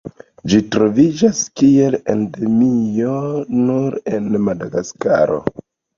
Ĝi troviĝas kiel endemio nur en Madagaskaro.